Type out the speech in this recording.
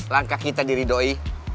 langkah kita diridoi